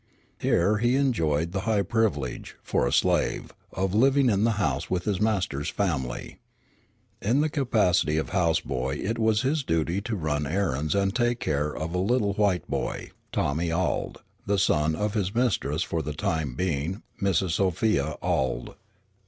Here he enjoyed the high privilege, for a slave, of living in the house with his master's family. In the capacity of house boy it was his duty to run errands and take care of a little white boy, Tommy Auld, the son of his mistress for the time being, Mrs. Sophia Auld.